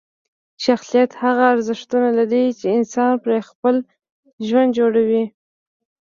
شخصیت هغه ارزښتونه لري چې انسان پرې خپل ژوند جوړوي.